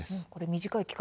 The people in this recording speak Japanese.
短い期間。